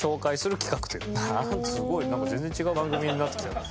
すごいなんか全然違う番組になってきたな。